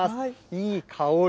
いい香り。